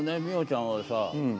実音ちゃんはさ